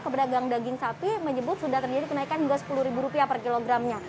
ke pedagang daging sapi menyebut sudah terjadi kenaikan hingga sepuluh ribu rupiah per kilogramnya